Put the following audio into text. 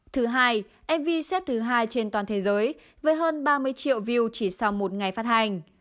thứ hai mv xếp thứ hai trên toàn thế giới với hơn ba mươi triệu view chỉ sau một ngày phát hành